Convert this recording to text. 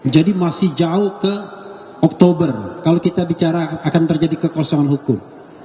masih jauh ke oktober kalau kita bicara akan terjadi kekosongan hukum